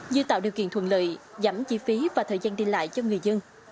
như tạo điều kiện thuận lợi giảm chi phí và thời gian đi lại cho người dân